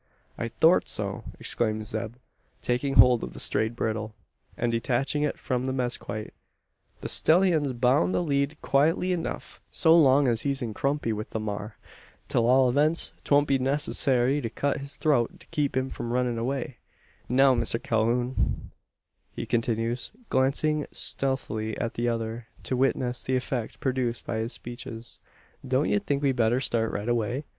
"I thort so," exclaims Zeb, taking hold of the strayed bridle, and detaching it from the mezquite; "the stellyun's boun to lead quietly enuf so long as he's in kumpny with the maar. 'T all events, 'twon't be needcessary to cut his throat to keep him from runnin' away. Now, Mister Calhoun," he continues, glancing stealthily at the other, to witness the effect produced by his speeches; "don't ye think we'd better start right away?